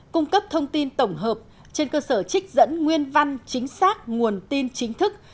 cung cấp thông tin tổng hợp trên cơ sở trích dẫn nguyên văn chính xác nguồn tin chính thức